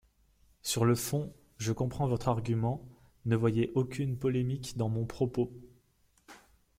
Sur le fond, je comprends votre argument, ne voyez aucune polémique dans mon propos.